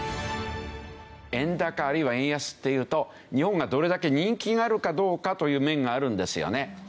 円高あるいは円安っていうと日本がどれだけ人気があるかどうかという面があるんですよね。